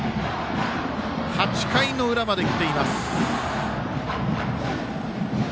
８回の裏まできています。